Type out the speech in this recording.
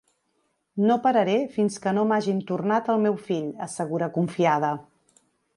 No pararé fins que no m’hagin tornat el meu fill, assegura confiada.